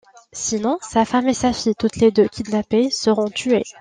Sinon, sa femme et sa fille, toutes les deux kidnappées, seront tuées.